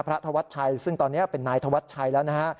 พระธวรรษชัยซึ่งตอนเนี้ยเป็นนายธวรรษชัยแล้วนะฮะ